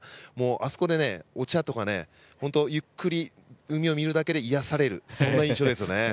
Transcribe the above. あそこで、お茶とか、ゆっくり海を見るだけで癒やされるそんな印象です。